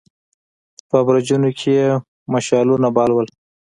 په برجونو کې يې مشعلونه بل ول.